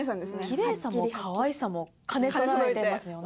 きれいさもかわいさも兼ね備えてますよね。